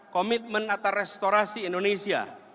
komitmen atas restorasi indonesia